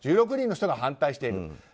１６人の人が反対している。